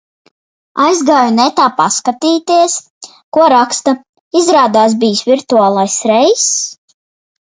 Aizgāju netā paskatīties, ko raksta, izrādās bijis virtuālais reiss?